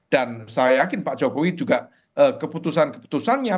dan saya yakin pak jokowi juga keputusan keputusannya